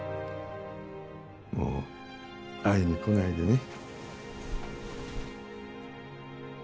もう会いに来ないでね。